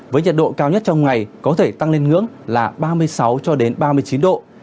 với nhiệt độ cao nhất trong ngày có thể tăng lên ngưỡng là ba mươi sáu cho đến ba mươi chín độ